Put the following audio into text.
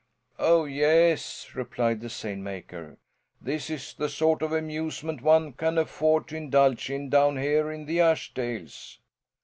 "Oh, yes," replied the seine maker. "This is the sort of amusement one can afford to indulge in down here, in the Ashdales."